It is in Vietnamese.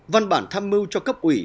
văn bản tham mưu cho cấp ủy